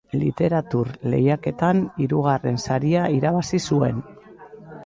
Literatur lehiaketan hirugarren saria irabazi zuen.